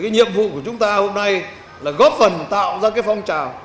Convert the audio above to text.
nhiệm vụ của chúng ta hôm nay là góp phần tạo ra phong trào